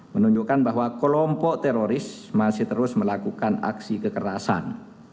menunjukkan bahwa kelompok teroris masih terus melakukan aksi kekerasan